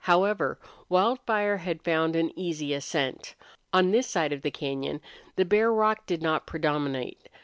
However, Wildfire had found an easy ascent. On this side of the cañon the bare rock did not predominate.